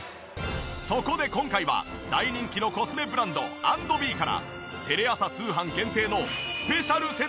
そこで今回は大人気のコスメブランド＆ｂｅからテレ朝通販限定のスペシャルセットをご用意。